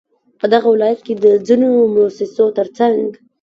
په دغه ولايت كې د ځينو مؤسسو ترڅنگ